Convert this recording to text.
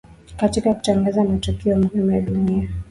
katika kutangaza matukio muhimu ya dunia